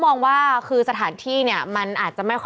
เป็นการกระตุ้นการไหลเวียนของเลือด